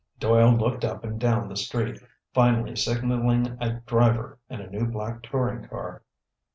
Doyle looked up and down the street, finally signaling a driver in a new black touring car.